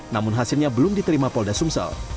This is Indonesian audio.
namun hasilnya belum diterima polda sumsel